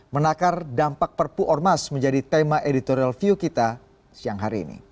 menakar dampak perpu ormas menjadi tema editorial view kita siang hari ini